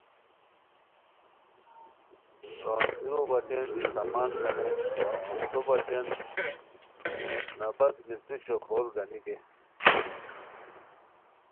رونڅیرو بچین دی سامان گانے وا پھوستو بچین نبت مصری شوکھور گانی گے